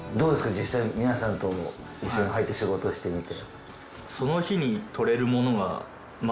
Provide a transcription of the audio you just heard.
実際皆さんと一緒に入って仕事してみて。